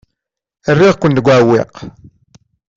Rriɣ-ken deg uɛewwiq.